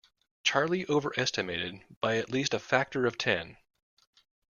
Charlie overestimated by at least a factor of ten.